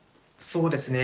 そうですね。